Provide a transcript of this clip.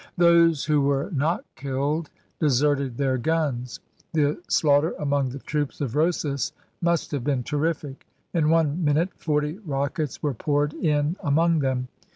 Those who were not killed deserted their guns. The slaughter among the troops of Rosas must have been terrific. In one minute forty rockets were poured in among them.